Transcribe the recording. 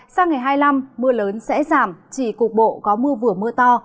sang ngày hai mươi năm mưa lớn sẽ giảm chỉ cục bộ có mưa vừa mưa to